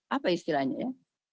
apa istilahnya ya